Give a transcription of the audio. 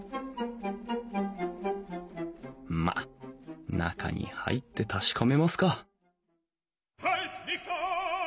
まっ中に入って確かめますか